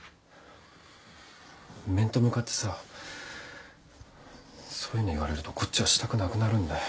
面と向かってさそういうの言われるとこっちはしたくなくなるんだよ。